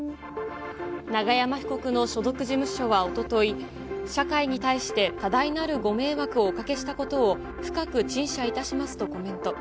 永山被告の所属事務所はおととい、社会に対して多大なるご迷惑をおかけしたことを、深く陳謝いたしますとコメント。